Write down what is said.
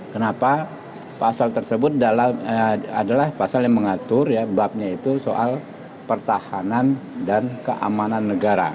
kenapa pasal tersebut adalah pasal yang mengatur babnya itu soal pertahanan dan keamanan negara